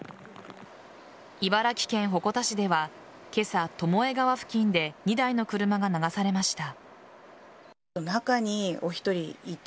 茨城県鉾田市では今朝巴川付近で２台の車が流されました。